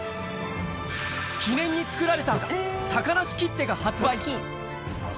記念に作られた高梨切手が発売。